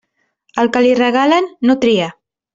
Al que li regalen, no tria.